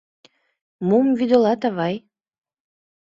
Мом вӱдылат, авай?